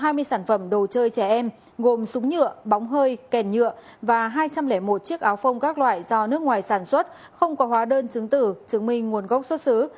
hơn hai mươi sản phẩm đồ chơi trẻ em gồm súng nhựa bóng hơi kèm nhựa và hai trăm linh một chiếc áo phông các loại do nước ngoài sản xuất không có hóa đơn chứng tử chứng minh nguồn gốc xuất xứ